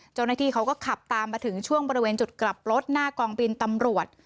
เจ้าหน้าที่เขาก็ขับตามมาถึงช่วงบริเวณจุดกลับรถหน้ากองบินตำรวจ